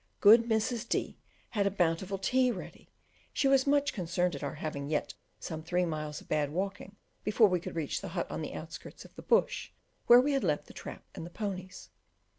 Good Mrs. D had a bountiful tea ready; she was much concerned at our having yet some three miles of bad walking before we could reach the hut on the outskirts of the bush, where we had left the trap and the ponies.